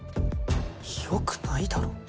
よくないだろ。